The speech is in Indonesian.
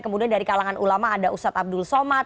kemudian dari kalangan ulama ada ustadz abdul somad